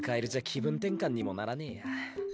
気分転換にもならねぇや。